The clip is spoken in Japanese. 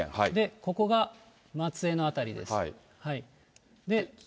ここが松江の辺りです。